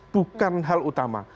bukan hal utama